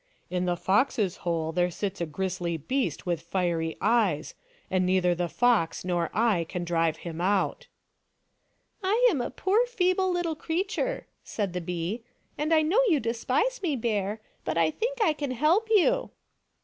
"In the fox's hole there sits a grisly beast with fiery eyes and neither the fox nor I can drive him out." "lama poor feeble little creature," said the bee, " and I know you despise me, Bear, but I think I can help you."